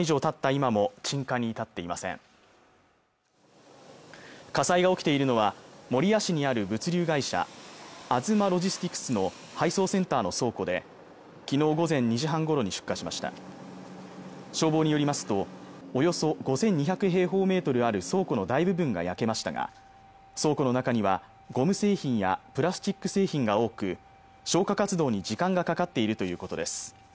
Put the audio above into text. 今も鎮火に至っていません火災が起きているのは守谷市にある物流会社アズマロジスティクスの配送センターの倉庫で昨日午前２時半ごろに出火しました消防によりますとおよそ５２００平方メートルある倉庫の大部分が焼けましたが倉庫の中にはゴム製品やプラスチック製品が多く消火活動に時間がかかっているということです